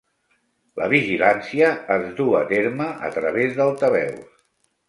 La vigilància es du a terme a través d'altaveus.